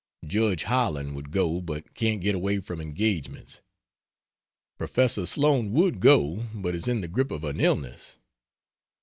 Judge Howland would go, but can't get away from engagements; Professor Sloane would go, but is in the grip of an illness.